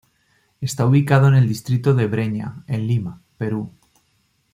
Está ubicado en el distrito de Breña, en Lima, Perú.